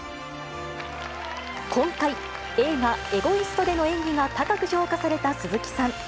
今回、映画、エゴイストでの演技が高く評価された鈴木さん。